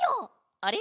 あれ？